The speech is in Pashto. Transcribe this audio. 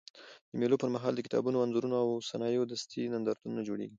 د مېلو پر مهال د کتابونو، انځورونو او صنایع دستي نندارتونونه جوړېږي.